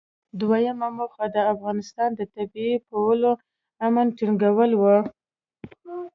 دویمه موخه د افغانستان د طبیعي پولو امن ټینګول و.